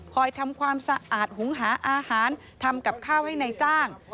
ทำความสะอาดหุงหาอาหารทำกับข้าวให้นายจ้าง